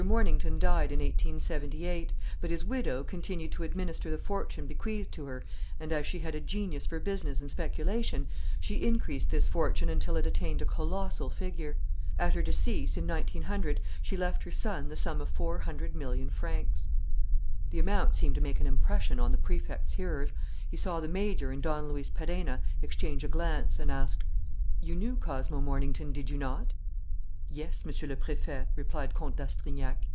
Mornington died in 1878; but his widow continued to administer the fortune bequeathed to her and, as she had a genius for business and speculation, she increased this fortune until it attained a colossal figure. At her decease, in 1900, she left her son the sum of four hundred million francs." The amount seemed to make an impression on the Prefect's hearers. He saw the major and Don Luis Perenna exchange a glance and asked: "You knew Cosmo Mornington, did you not?" "Yes, Monsieur le Préfet," replied Comte d'Astrignac.